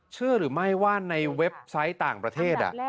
เชื่อหรือไม่ว่าในเว็บไซต์ต่างประเทศ